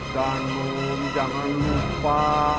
danum jangan lupa